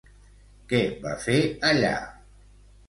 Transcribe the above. Què va fer allà?